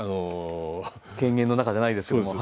犬猿の仲じゃないですけども。